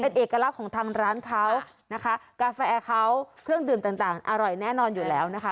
เป็นเอกลักษณ์ของทางร้านเขานะคะกาแฟเขาเครื่องดื่มต่างต่างอร่อยแน่นอนอยู่แล้วนะคะ